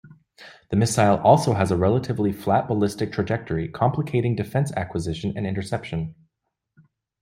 The missile also has a relatively flat ballistic trajectory, complicating defense acquisition and interception.